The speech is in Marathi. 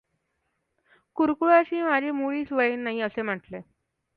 कुरुकुळाशी माझे मुळीच वैर नाही असे म्हटले.